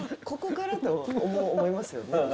ここからと思いますよね。